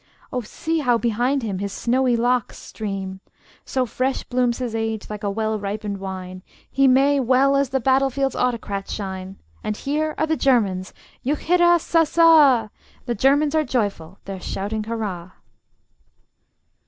Oh, see how behind him his snowy locks stream! So fresh blooms his age, like a well ripened wine, He may well as the battle field's autocrat shine. And here are the Germans: juchheirassassa! The Germans are joyful: they're shouting hurrah!